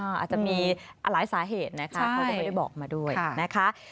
อาจจะมีหลายสาเหตุนะคะเขาก็ไม่ได้บอกมาด้วยนะคะ